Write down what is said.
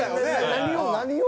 何を？